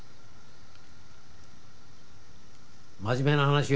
真面目な話よ。